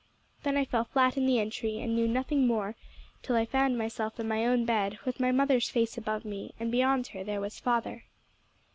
"Then I fell flat in the entry, and knew nothing more till I found myself in my own bed, with my mother's face above me; and beyond her, there was father."